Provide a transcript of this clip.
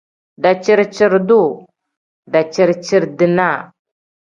Daciri-ciri-duu pl: daciri-ciri-dinaa n.